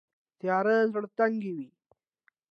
تیاره زړه تنګوي